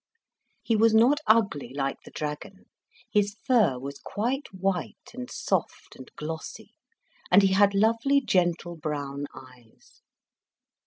He was not ugly, like the dragon; his fur was quite white and soft and glossy, and he had lovely, gentle brown eyes.